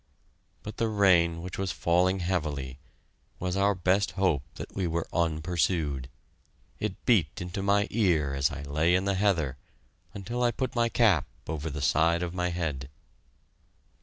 But the rain, which was falling heavily, was our best hope that we were unpursued. It beat into my ear as I lay in the heather, until I put my cap over the side of my head.